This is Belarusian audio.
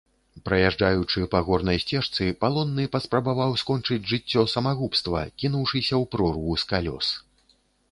Праязджаючы па горнай сцежцы, палонны паспрабаваў скончыць жыццё самагубства, кінуўшыся ў прорву з калёс.